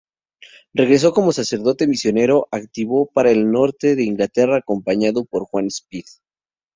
Regresó como sacerdote misionero activo para el norte de Inglaterra, acompañado por Juan Speed.